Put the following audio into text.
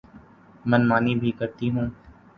من مانی بھی کرتی ہوں۔